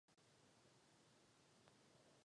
Co tyto zemědělce potkalo?